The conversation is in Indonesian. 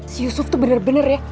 si yusuf tuh bener bener ya